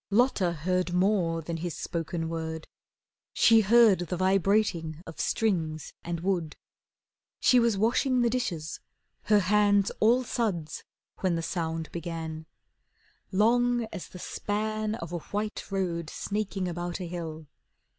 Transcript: Lotta heard more than his spoken word. She heard the vibrating of strings and wood. She was washing the dishes, her hands all suds, When the sound began, Long as the span Of a white road snaking about a hill.